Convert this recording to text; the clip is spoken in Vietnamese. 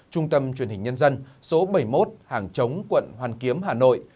trung tâm truyền hình nhân dân số bảy mươi một hàng chống quận hoàn kiếm hà nội